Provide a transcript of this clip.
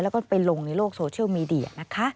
แล้วก็ไปลงในโลกโซเชียลมีเดียนะคะ